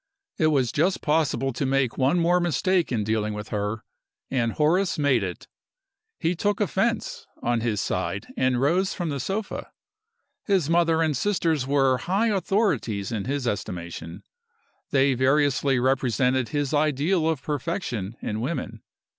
It was just possible to make one more mistake in dealing with her and Horace made it. He took offense, on his side, and rose from the sofa. His mother and sisters were high authorities in his estimation; they variously represented his ideal of perfection in women.